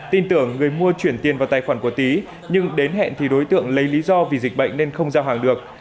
tin tưởng người mua chuyển tiền vào tài khoản của tý nhưng đến hẹn thì đối tượng lấy lý do vì dịch bệnh nên không giao hàng được